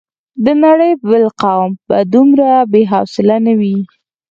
د نړۍ بل قوم به دومره بې حوصلې نه وي.